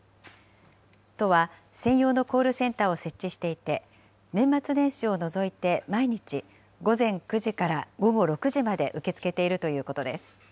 都は専用のコールセンターを設置していて、年末年始を除いて、毎日午前９時から午後６時まで受け付けているということです。